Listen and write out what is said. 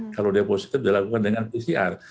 kalau dia positif dilakukan dengan pcr